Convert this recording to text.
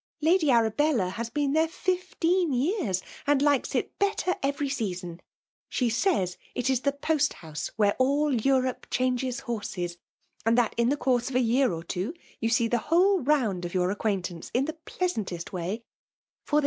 Lady Arabella has been there fifteen years, and likes it better every season; She says it is the post^'house where all Eu«* tope change horses ; and that, in the course of a year or two, you see the whole round of your acquaintance, in the pleasantest way ; tot they 26Qt FEMALB jyoumkVfoH.